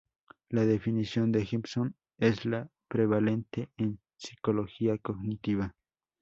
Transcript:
La definición de Gibson es la prevalente en psicología cognitiva.